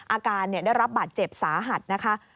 อาการได้รับบาดเจ็บสาหัสนะคะ